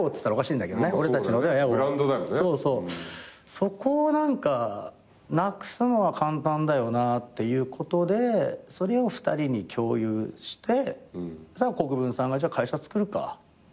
そこを何かなくすのは簡単だよなっていうことでそれを２人に共有して国分さんが「じゃあ会社つくるか」っていう形にして。